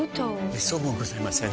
めっそうもございません。